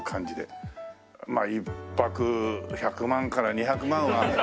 まあ１泊１００万から２００万は。